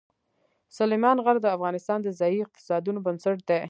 سلیمان غر د افغانستان د ځایي اقتصادونو بنسټ دی.